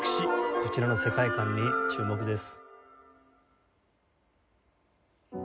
こちらの世界観に注目です。